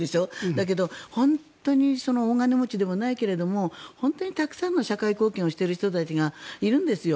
だけど、本当に大金持ちでもないけれども本当にたくさんの社会貢献をしている人たちがいるんですよ。